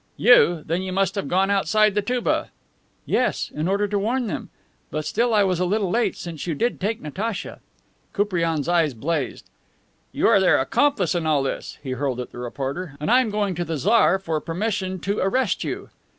"You! Then you must have gone outside the touba?" "Yes, in order to warn them. But still I was a little late, since you did take Natacha." Koupriane's eyes blazed. "You are their accomplice in all this," he hurled at the reporter, "and I am going to the Tsar for permission to arrest you."